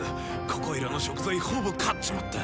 ここいらの食材ほぼ狩っちまった。